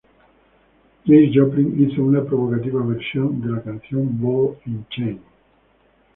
Janis Joplin hizo una provocativa versión de la canción "Ball ´n´ Chain".